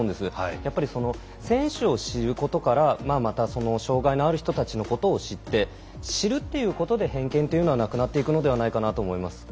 やっぱり選手を知ることからその障がいのある人たちのことを知って知るということで偏見はなくなっていくのではないかなと思います。